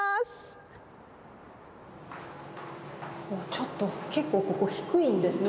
ちょっと結構ここ低いんですね。